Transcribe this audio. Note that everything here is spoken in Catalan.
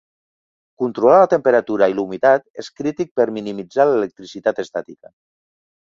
Controlar la temperatura i la humitat és crític per minimitzar l'electricitat estàtica.